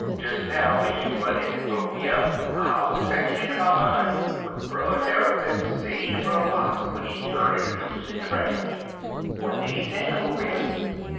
Des now, w'en you run in and broke me up, I wuz fetchin' into my mine w'at Brer Tarrypin say ter Brer Fox w'en he turn 'im loose in de branch." "What did he say, Uncle Remus?"